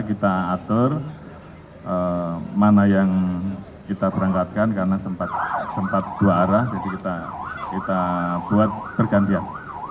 kita atur mana yang kita berangkatkan karena sempat dua arah jadi kita buat bergantian